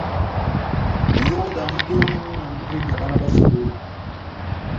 Nʼyówedi andi domu, andi ó ivenga bána bá sukulu.